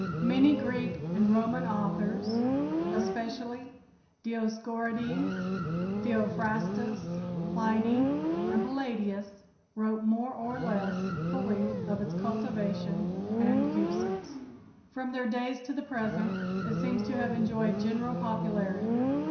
Many Greek and Roman authors, especially Dioscorides, Theophrastus, Pliny and Paladius, wrote more or less fully of its cultivation and uses. [Illustration: Anise in Flower and in Fruit] From their days to the present it seems to have enjoyed general popularity.